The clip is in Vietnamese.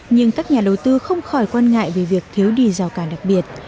nhưng các nhà đầu tư không khỏi quan ngại về việc thiếu đi rào cản đặc biệt